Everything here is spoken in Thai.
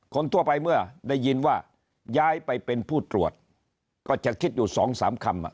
คนทั่วไปเมื่อได้ยินว่าย้ายไปเป็นผู้ตรวจก็จะคิดอยู่สองสามคำ